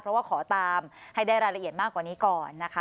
เพราะว่าขอตามให้ได้รายละเอียดมากกว่านี้ก่อนนะคะ